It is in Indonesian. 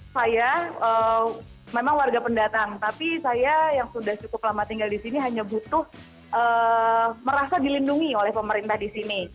saya memang warga pendatang tapi saya yang sudah cukup lama tinggal di sini hanya butuh merasa dilindungi oleh pemerintah di sini